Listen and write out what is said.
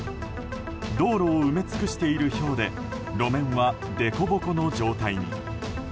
道路を埋め尽くしているひょうで路面はでこぼこの状態に。